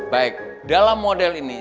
baik dalam model ini